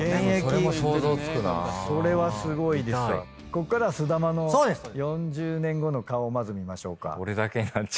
こっからはすだまの４０年後の顔まず見ましょうか。